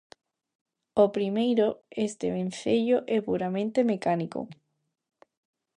Ao primeiro, este vencello é puramente mecánico.